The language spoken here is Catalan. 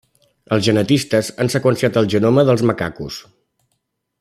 Els genetistes han seqüenciat el genoma dels macacos.